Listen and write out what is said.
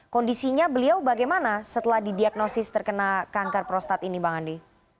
kondisinya beliau bagaimana setelah didiagnosis terkena kanker prostat ini bang andi